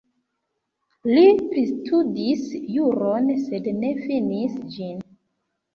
Li pristudis juron, sed ne finis ĝin.